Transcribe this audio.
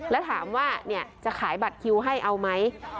แล้วถามว่าจะขายบัตรคิวให้เอาไหม